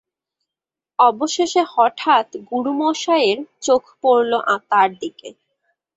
অবশেষে হঠাৎ গুরুমশায়ের চোখ পড়ল তার দিকে।